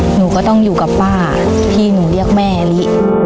หนูก็ต้องอยู่กับป้าที่หนูเรียกแม่ลิ